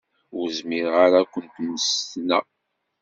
Ur zmireɣ ara ad kent-mmestneɣ.